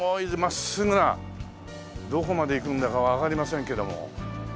どこまで行くんだかわかりませんけども。